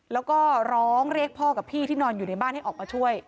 แล้วก็ร้องเรียกพ่อกับพี่ที่นอนอยู่ในบ้านให้ออกมาช่วย